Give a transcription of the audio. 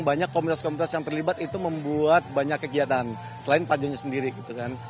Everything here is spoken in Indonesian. banyak komunitas komunitas yang terlibat itu membuat banyak kegiatan selain pajonya sendiri gitu kan